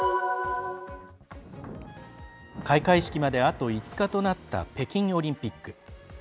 開会式まであと５日となった北京オリンピック。